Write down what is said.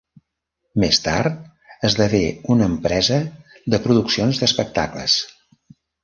Més tard esdevé una empresa de produccions d'espectacles.